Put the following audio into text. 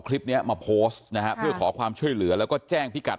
คลิปนี้มาโพสต์นะฮะเพื่อขอความช่วยเหลือแล้วก็แจ้งพิกัด